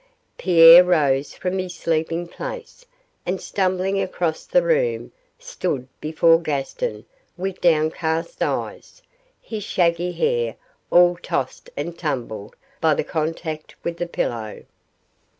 Pierre rose from his sleeping place, and, stumbling across the room, stood before Gaston with downcast eyes, his shaggy hair all tossed and tumbled by the contact with the pillow.